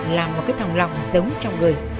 là một cái thòng lọc giống trong người